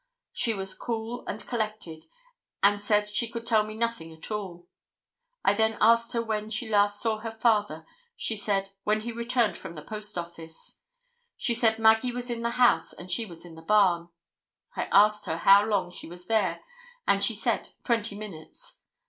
She was cool and collected, and said she could tell me nothing at all. I then asked her when she last saw her father. She said: 'When he returned from the Post Office.' She said Maggie was in the house and she was in the barn. I asked her how long she was there and she said, 'twenty minutes.